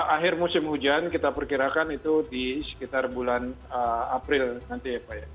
akhir musim hujan kita perkirakan itu di sekitar bulan april nanti ya pak ya